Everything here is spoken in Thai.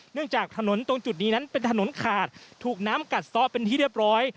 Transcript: จากถนนตรงจุดนี้นั้นเป็นถนนขาดถูกน้ำกัดซ้อเป็นที่เรียบร้อย